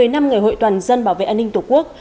một mươi năm ngày hội toàn dân bảo vệ an ninh tổ quốc